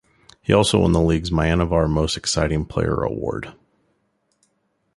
He also won the league's Manyavar Most Exciting Player award.